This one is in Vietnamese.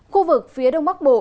khu vực phía đông bắc bộ